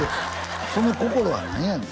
その心は何やねん？